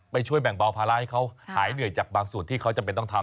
ช่วยแบ่งเบาภาระให้เขาหายเหนื่อยจากบางส่วนที่เขาจำเป็นต้องทำ